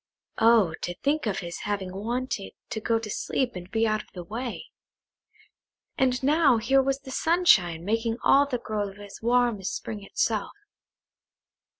Oh, to think of his having wanted to go to sleep and be out of the way; and now here was the sunshine making all the grove as warm as spring itself.